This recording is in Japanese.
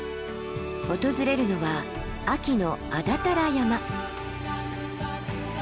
訪れるのは秋の安達太良山。